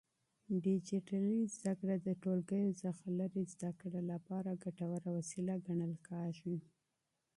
ډيجيټلي زده کړه د ټولګیو څخه لرې زده کړې لپاره ګټوره وسيله ګڼل کېږي.